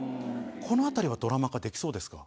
このあたりはドラマ化できそうですか？